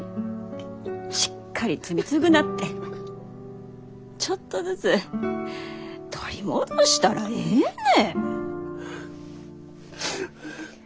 しっかり罪償ってちょっとずつ取り戻したらええね。